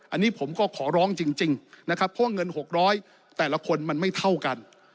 อันนี้ผมก็ขอร้องจริงนะครับเพราะว่าเงิน๖๐๐แต่ละคนมันไม่เท่ากัน